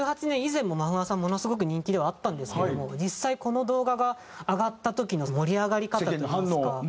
２０１８年以前もまふまふさんものすごく人気ではあったんですけども実際この動画が上がった時の盛り上がり方っていいますか。